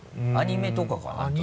アニメとかかな？